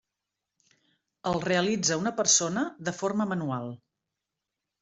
El realitza una persona de forma manual.